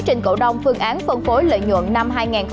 trình cổ đông phương án phân phối lợi nhuận năm hai nghìn hai mươi hai